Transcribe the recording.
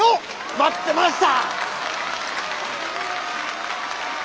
待ってました！